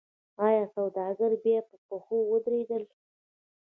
آیا سوداګر بیا په پښو ودرېدل؟